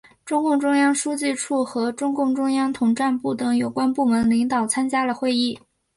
中共中央书记处和中共中央统战部等有关部门领导参加了会议。